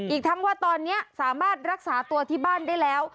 อีกทั้งว่าตอนนี้สามารถรักษาตัวที่บ้านได้แล้ว